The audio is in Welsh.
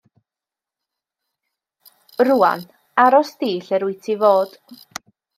Rŵan, aros di lle rwyt ti fod.